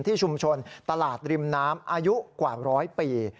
ที่ชุมชนตลาดริมน้ำอายุกว่าร้อยปี